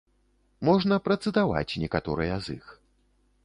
Можна працытаваць некаторыя з іх.